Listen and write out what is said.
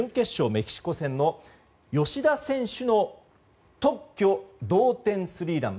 メキシコ戦の吉田選手の特許同点スリーラン。